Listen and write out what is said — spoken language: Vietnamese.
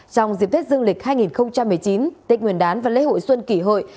trong dịp tết dương lịch hai nghìn một mươi chín tết nguyên đán và lễ hội xuân kỷ hội